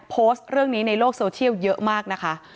โพสต์เรื่องนี้ในโลกโซเชียลเยอะมากนะคะ